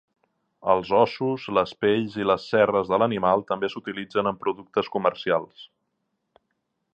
Els ossos, les pells i les cerres de l'animal també s'utilitzen en productes comercials.